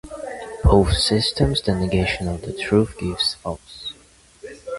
In both systems the negation of the truth gives false.